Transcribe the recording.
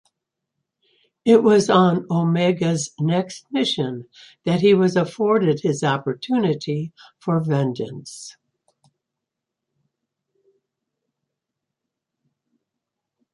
It was on Omega's next mission that he was afforded his opportunity for vengeance.